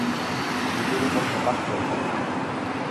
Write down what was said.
নিজের উপর হতাশ হয়ো না।